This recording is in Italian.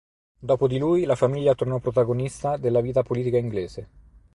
Dopo di lui la famiglia tornò protagonista della vita politica inglese.